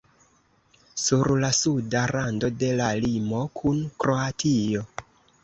Sur la suda rando de la limo kun Kroatio.